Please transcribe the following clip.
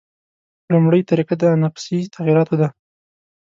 لومړۍ طریقه د انفسي تغییراتو ده.